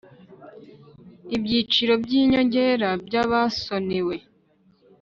ibyiciro by inyongera by abasonewe